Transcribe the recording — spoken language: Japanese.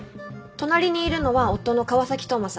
隣にいるのは夫の川崎斗真さん。